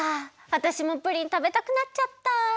わたしもプリンたべたくなっちゃった！